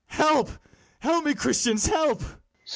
Help, help me, Christians, help!